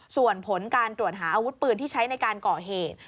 ส่วนผลการตรวจหาอาวุธปืนที่ใช้ในการก่อเหตุ